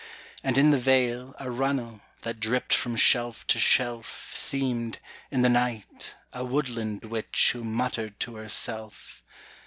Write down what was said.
And in the vale a runnel, That dripped from shelf to shelf, Seemed, in the night, a woodland witch Who muttered to herself.